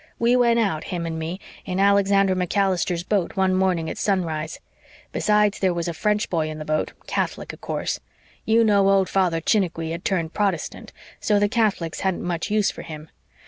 We went out, him and me, in Alexander MacAllister's boat one morning at sunrise. Besides, there was a French boy in the boat Catholic of course. You know old Father Chiniquy had turned Protestant, so the Catholics hadn't much use for him.